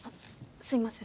すいません。